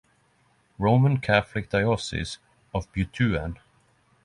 Roman Catholic Diocese of Butuan